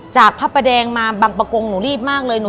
จากภาพแปดงมาบังประกงหนูรีบมากเลย